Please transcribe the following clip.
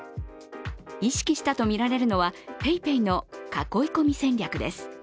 意識したとみられるのはＰａｙＰａｙの囲い込み戦略です。